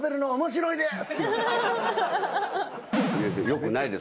よくないです。